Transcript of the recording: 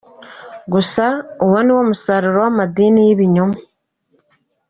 gusa uwo niwo musaruro w’amadini y’ibinyoma.